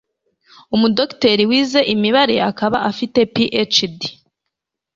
umu docteur wize imibare, akaba afite phd